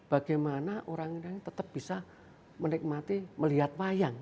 bagaimana orang ini tetap bisa menikmati melihat wayang